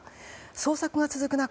捜索が続く中